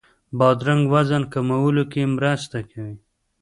بادرنګ وزن کمولو کې مرسته کوي.